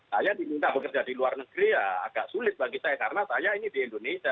saya diminta bekerja di luar negeri ya agak sulit bagi saya karena saya ini di indonesia